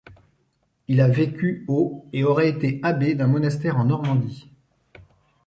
Il a vécu au et aurait été abbé d’un monastère en Normandie.